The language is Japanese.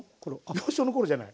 幼少の頃じゃない。